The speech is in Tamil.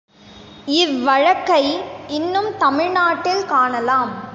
இவ்வழக்கை இன்னும் தமிழ்நாட்டில் காணலாம்.